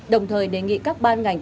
đồng thời đề nghị các ban ngành cấp